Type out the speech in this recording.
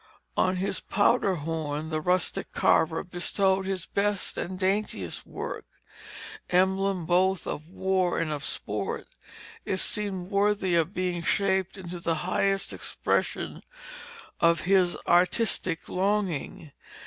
On his powder horn the rustic carver bestowed his best and daintiest work. Emblem both of war and of sport, it seemed worthy of being shaped into the highest expression of his artistic longing.